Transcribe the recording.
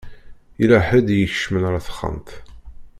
Yella ḥedd i ikecmen ar texxamt.